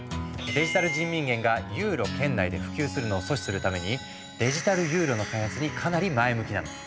デジタル人民元がユーロ圏内で普及するのを阻止するためにデジタルユーロの開発にかなり前向きなの。